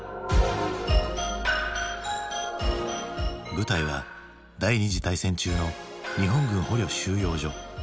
舞台は第２次大戦中の日本軍捕虜収容所。